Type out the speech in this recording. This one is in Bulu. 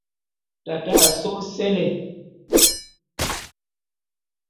Tate a só ôséle.